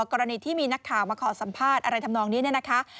กรณีที่มีนักข่าวมาขอสัมภาษณ์อะไรทำนองนี้เนี่ยนะคะ